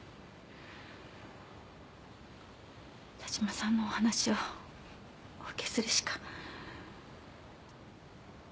田島さんのお話をお受けするしか。